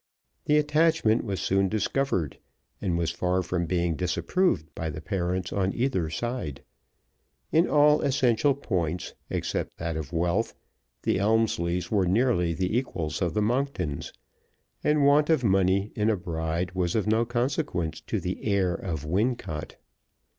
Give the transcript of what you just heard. The attachment was soon discovered, and was far from being disapproved by the parents on either side. In all essential points except that of wealth, the Elmslies were nearly the equals of the Monktons, and want of money in a bride was of no consequence to the heir of Wincot.